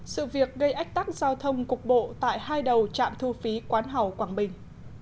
sự việc gây ách tắc giao thông cục bộ tại hai đầu trạm thu phí quán hào quảng bình